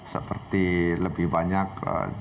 seperti lebih banyak